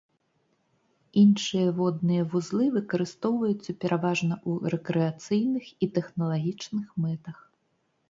Іншыя водныя вузлы выкарыстоўваюцца пераважна ў рэкрэацыйных і тэхналагічных мэтах.